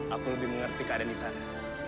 aku lebih mengerti keadaan di sana